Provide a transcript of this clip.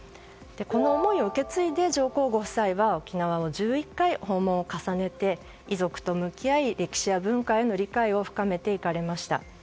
この思いを受け継いで上皇ご夫妻は沖縄を１１回訪問を重ねて遺族と向き合い歴史や文化への理解を深めていかれました。